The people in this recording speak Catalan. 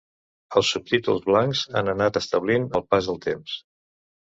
Els subtítols blancs han anat establint el pas del temps.